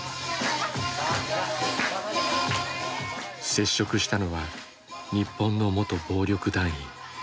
接触したのは日本の元暴力団員。